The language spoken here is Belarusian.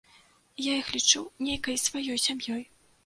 Я іх лічу нейкай сваёй сям'ёй.